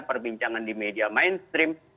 perbincangan di media mainstream